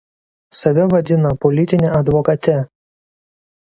Save vadina „politine advokate“.